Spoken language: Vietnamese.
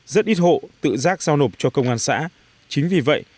rất ít hộ tự giác giao nộp cho công an xã chính vì vậy